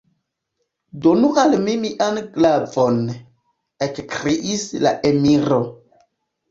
Donu al mi mian glavon! ekkriis la emiro.